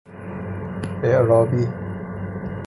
اعرابی